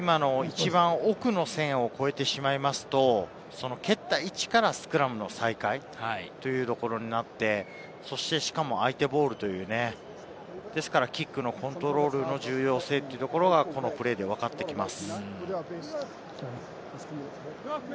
奥の線を越えると蹴った位置からスクラムの再開というところになって、しかも相手ボールですからキックのコントロールの重要性というところがこのプレーで、わかってきます。